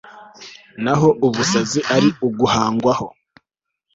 naho ubusazi ari uguhangwaho